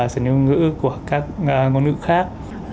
xử lý ngôn ngữ của các ngôn ngữ khác